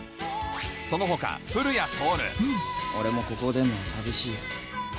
その他俺もここを出んのは寂しいよ。